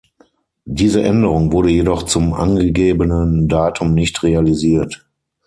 Diese Änderung wurde jedoch zum angegebenen Datum nicht realisiert.